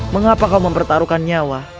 mengapa kau mempertaruhkan nyawa